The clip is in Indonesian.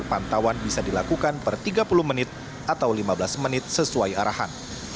pantauan bisa dilakukan per tiga puluh menit atau lima belas menit sesuai arahan